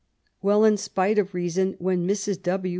Well, in spite of reason, when Mrs. W.